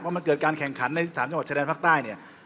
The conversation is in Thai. ว่ามันเกิดการแข่งขันในสถานจังหวัดชะแดนภาคใต้